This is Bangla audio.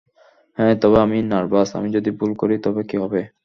হ্যাঁ, তবে আমি নার্ভাস, আমি যদি ভুল করি তবে কী হবে?